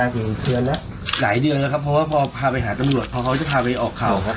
กลุ่มโซมมา